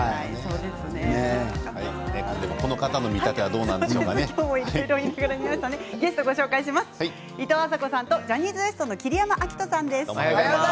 この方の見立てはゲストはいとうあさこさんとジャニーズＷＥＳＴの桐山照史さんです。